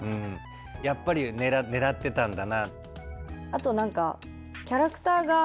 やっぱり狙ってたんだな。